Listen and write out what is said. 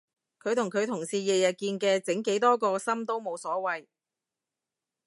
佢同佢同事日日見嘅整幾多個心都冇所謂